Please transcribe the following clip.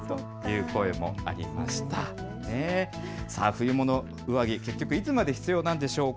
冬物上着は結局、いつまで必要なでしょうか。